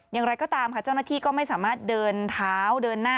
อย่างไรก็ตามค่ะเจ้าหน้าที่ก็ไม่สามารถเดินเท้าเดินหน้า